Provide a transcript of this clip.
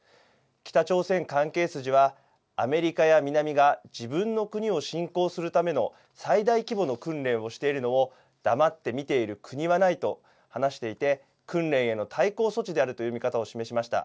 北朝鮮関係筋は、アメリカや南が自分の国を侵攻するための最大規模の訓練をしているのを黙って見ている国はないと話していて、訓練への対抗措置であるという見方を示しました。